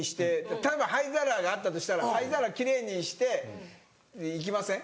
例えば灰皿があったとしたら灰皿奇麗にして行きません？